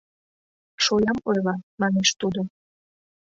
— Шоям ойла, — манеш тудо.